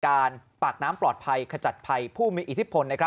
ปากน้ำปลอดภัยขจัดภัยผู้มีอิทธิพล